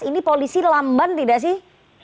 ini polisi lamban tidak sih